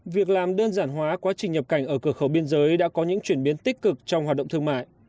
việc làm đơn giản hóa quá trình nhập cảnh ở cửa khẩu biên giới đã có những chuyển biến tích cực trong hoạt động thương mại